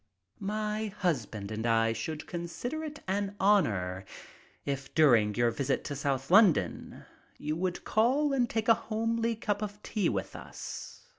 "My husband and I should consider it an honor if during your visit to South London you would call and take a homely cup of tea with us.